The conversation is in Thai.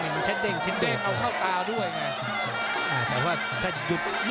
ยิงชิ้นเด้งเอาเข้าตาด้วยไง